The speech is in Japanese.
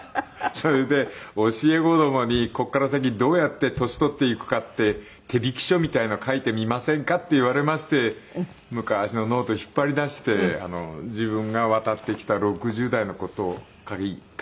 それで「教え子どもにここから先どうやって年取っていくかって手引き書みたいなの書いてみませんか？」って言われまして昔のノート引っ張り出して自分が渡ってきた６０代の事を書いてみたんですけど。